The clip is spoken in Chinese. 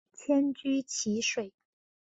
迁居蕲水。